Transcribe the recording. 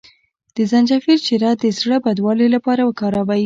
د زنجبیل شیره د زړه بدوالي لپاره وکاروئ